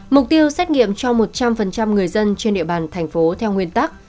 mục tiêu xét nghiệm cho một trăm linh người dân trên địa bàn thành phố theo nguyên tắc